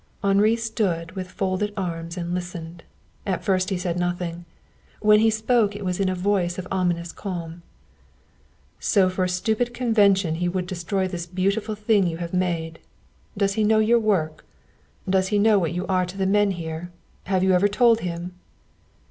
Henri stood with folded arms and listened. At first he said nothing. When he spoke it was in a voice of ominous calm: "So for a stupid convention he would destroy this beautiful thing you have made! Does he know your work? Does he know what you are to the men here? Have you ever told him?"